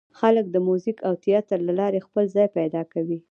خلک د موزیک او تیاتر له لارې خپل ځای پیدا کوي.